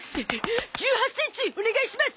１８センチお願いします！